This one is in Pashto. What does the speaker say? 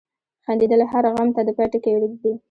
• خندېدل هر غم ته د پای ټکی ږدي.